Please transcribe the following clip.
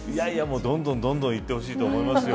どんどん、どんどんいってほしいと思います。